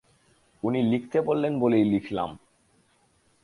উনি লিখতে বললেন বলেই লিখলাম।